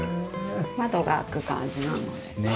窓が開く感じなのではい。